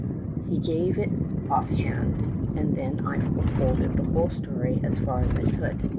"He gave it off hand, and then I unfolded the whole story, as far as I could.